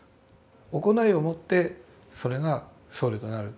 行いを持ってそれが僧侶となる。